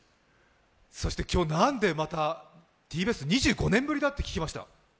そして今日、なんでまたＴＢＳ２５年ぶりだと聞きました。